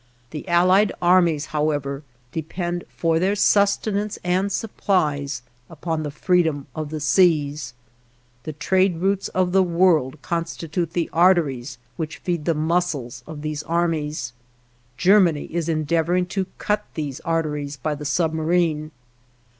The Allied armies, however, depend for their sustenance and supplies upon the freedom of the seas. The trade routes of the world constitute the arteries which feed the muscles of these armies. Germany is endeavoring to cut these arteries by the submarine.